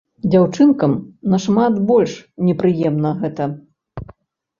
Дзяўчынкам нашмат больш непрыемна гэта.